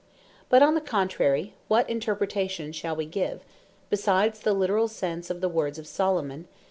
But on the contrary, what interpretation shall we give, besides the literall sense of the words of Solomon (Eccles.